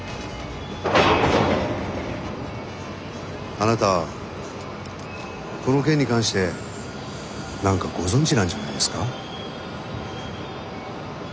あなたはこの件に関して何かご存じなんじゃないですか？